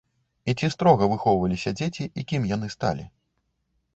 І ці строга выхоўваліся дзеці і кім яны сталі?